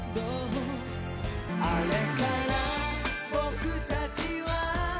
「あれからぼくたちは」